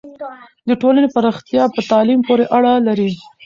د ټولنې پراختیا په تعلیم پورې اړه لري.